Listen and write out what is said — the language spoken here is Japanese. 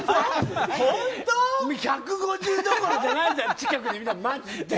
１５０どころじゃないぜ近くで見たら、マジで。